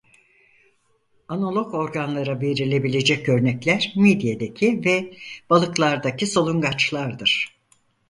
Analog organlara verilebilecek örnekler midyedeki ve balıklardaki solungaçlardır.